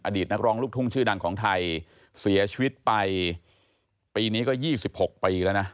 นักร้องลูกทุ่งชื่อดังของไทยเสียชีวิตไปปีนี้ก็๒๖ปีแล้วนะ